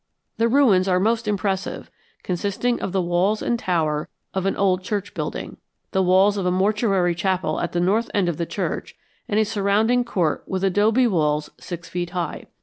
The ruins are most impressive, consisting of the walls and tower of an old church building, the walls of a mortuary chapel at the north end of the church, and a surrounding court with adobe walls six feet high.